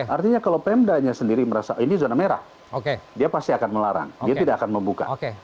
artinya kalau pemdanya sendiri merasa ini zona merah dia pasti akan melarang dia tidak akan membuka